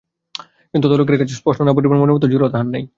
কিন্তু অত লোকের কাছে স্পষ্ট না বলিবার মতো মনের জোরও তাহার নাই।